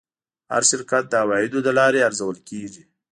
هر شرکت د عوایدو له لارې ارزول کېږي.